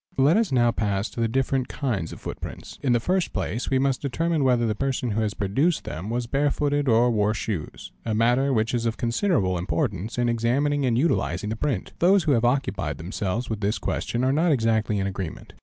Let us now pass to the different kinds of footprints. In the first place we must determine whether the person who has produced them was bare footed or wore shoes, a matter which is of considerable importance in examining and utilising the print. Those who have occupied themselves with this question are not exactly in agreement.